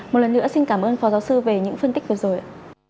một lần nữa xin cảm ơn phó giáo sư về những phân tích vừa rồi ạ